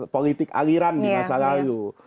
politik aliran di masa lalu